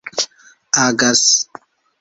agas